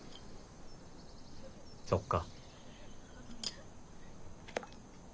そっか。